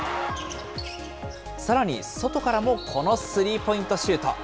さらに外からもこのスリーポイントシュート。